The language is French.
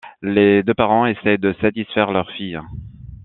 Les deux parents essayent de satisfaire leur fille.